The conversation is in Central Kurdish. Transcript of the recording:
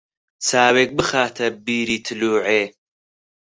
چاوێک بخاتە بیری تلووعێ